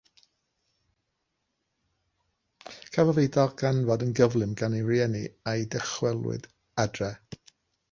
Cafodd ei ddarganfod yn gyflym gan ei rieni a'i ddychwelyd adref.